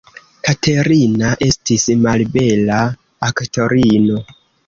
Katerina estis malbela aktorino.